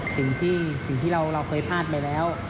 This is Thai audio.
สิ่งที่เราเคยพลาดไปแล้ว